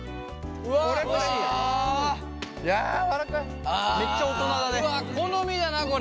うわ好みだなこれ。